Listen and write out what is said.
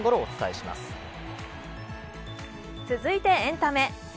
続いてエンタメ。